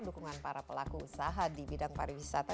dukungan para pelaku usaha di bidang pariwisata